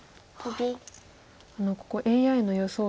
ここＡＩの予想